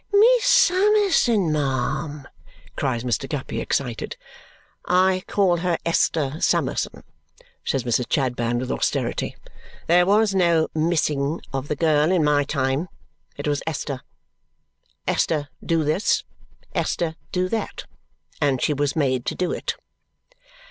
"Miss Summerson, ma'am!" cries Mr. Guppy, excited. "I call her Esther Summerson," says Mrs. Chadband with austerity. "There was no Miss ing of the girl in my time. It was Esther. 'Esther, do this! Esther, do that!' and she was made to do it."